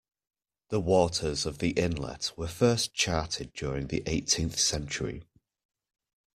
The waters of the inlet were first charted during the eighteenth century.